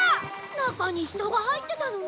中に人が入ってたのね。